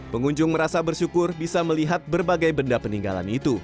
pengunjung merasa bersyukur bisa melihat berbagai benda peninggalan itu